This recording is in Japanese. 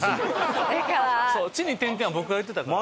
「ち」に点々は僕が言ってたから。